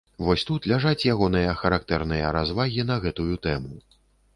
Вось тут ляжаць ягоныя характэрныя развагі на гэтую тэму.